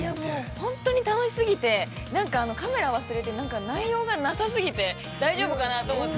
◆本当に楽し過ぎて、カメラ忘れて、内容がなさ過ぎて、大丈夫かなと思って。